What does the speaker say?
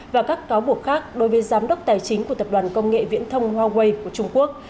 và các cáo buộc khác đối với giám đốc tài chính của tập đoàn công nghệ viễn thông huawei của trung quốc